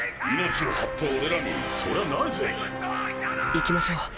行きましょう。